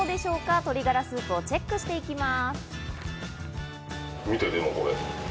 鶏ガラスープをチェックしていきます。